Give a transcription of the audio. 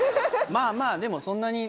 まぁまぁでもそんなに。